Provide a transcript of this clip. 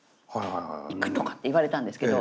「行くとか」って言われたんですけど。